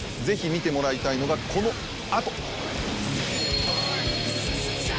ぜひ見てもらいたいのがこの後。